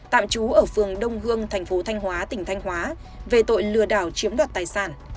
tạm trú ở phường đông hương thành phố thanh hóa tỉnh thanh hóa về tội lừa đảo chiếm đoạt tài sản